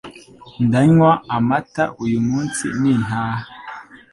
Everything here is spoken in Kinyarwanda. Ndanywa amata uyu munsi ni ntaha